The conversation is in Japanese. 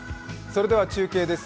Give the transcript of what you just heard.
それでは中継です。